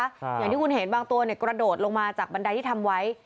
อย่างที่คุณเห็นบางตัวเนี่ยกระโดดลงมาจากบันไดที่ทำไว้